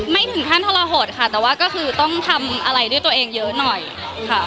ไม่ถึงขั้นทรหดค่ะแต่ว่าก็คือต้องทำอะไรด้วยตัวเองเยอะหน่อยค่ะ